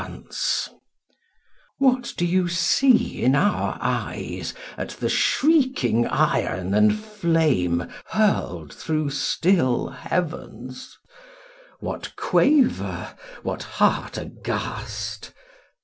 89 POEMS BY ISAAC ROSENBERG What do you see in our eyes At the shrieking iron and flame Hurled through still heavens ? What quaver â what heart aghast